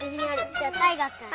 じゃあたいがくん。